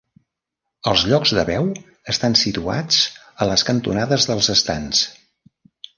Els llocs de peu estan situats a les cantonades dels estands.